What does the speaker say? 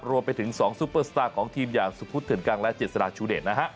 รวมไปถึง๒ซูเปอร์สตาร์ของทีมยาลสุฟุธเถิดกลางและเจษฎาชุเดชนะฮะ